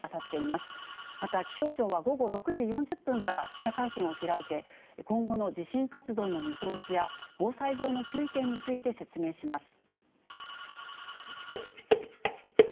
また気象庁は午後６時４０分から記者会見を開いて、今後の地震活動の見通しや、防災上の注意点について説明します。